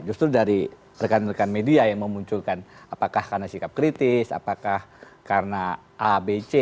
justru dari rekan rekan media yang memunculkan apakah karena sikap kritis apakah karena abc